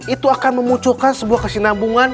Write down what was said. itu akan memunculkan sebuah kesinambungan